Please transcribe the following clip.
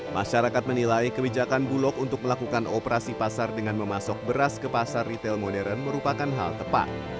masyarakat menilai kebijakan bulog untuk melakukan operasi pasar dengan memasok beras ke pasar retail modern merupakan hal tepat